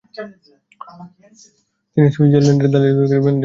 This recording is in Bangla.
তিনি সুইজারল্যান্ড জাতীয় দলের ম্যানেজারের দায়িত্ব পালন করছেন।